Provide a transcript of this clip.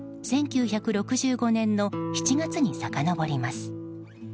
１９６５年の７月にさかのぼります。